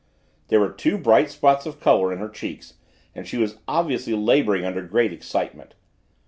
There were two bright spots of color in her cheeks and she was obviously laboring under great excitement.